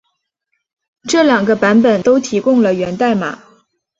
这两个版本都提供了源代码。